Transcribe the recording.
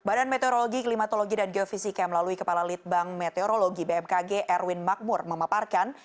badan meteorologi klimatologi dan geofisika melalui kepala litbang meteorologi bmkg erwin makmur memaparkan